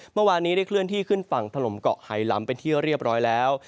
เมื่อวานนี้ได้เคลื่อนที่ขึ้นฝั่งถล่มเกาะไฮล้ำเป็นที่เรียบร้อยแล้ว